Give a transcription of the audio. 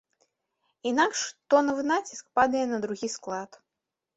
Інакш тонавы націск падае на другі склад.